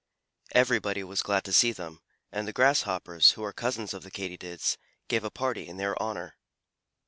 Everybody was glad to see them, and the Grasshoppers, who are cousins of the Katydids, gave a party in their honor.